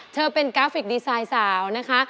เธอเป็นกราฟิกดีไซน์สาวนะคะ